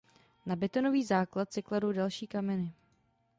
Na betonový základ se kladou další kameny.